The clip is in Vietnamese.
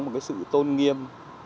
một cái sự tôn nghiêm